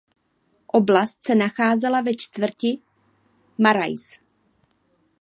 Oblast se nacházela ve čtvrti Marais.